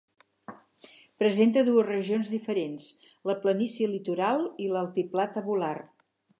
Presenta dues regions diferents: la planícia litoral i l'altiplà tabular.